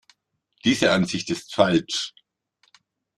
Diese Ansicht ist falsch.